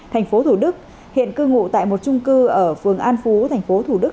thành phố thủ đức hiện cư ngụ tại một trung cư ở phường an phú thành phố thủ đức